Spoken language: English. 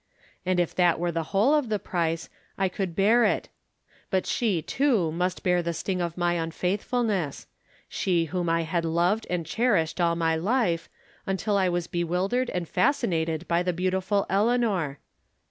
And if that were the whole of the price I could bear it. But she, too, must bear the sting of my unfaithfulness — she whom I had loved and cher ished aU my life, until I was bewildered and fas cinated by the beautiful Eleanor.